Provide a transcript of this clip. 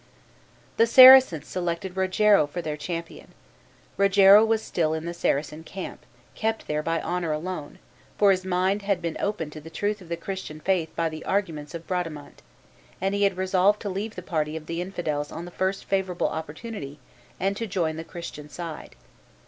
The Saracens selected Rogero for their champion. Rogero was still in the Saracen camp, kept there by honor alone, for his mind had been opened to the truth of the Christian faith by the arguments of Bradamante, and he had resolved to leave the party of the infidels on the first favorable opportunity, and to join the Christian side.